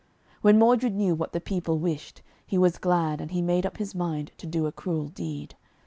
When Modred knew what the people wished, he was glad, and he made up his mind to do a cruel deed.